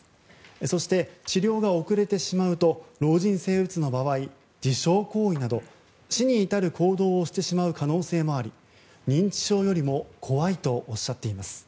そして、治療が遅れてしまうと老人性うつの場合自傷行為など、死に至る行動をしてしまう可能性もあり認知症よりも怖いとおっしゃっています。